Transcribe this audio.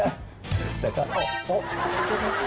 เออไม่ทักหลายไม่ทักใด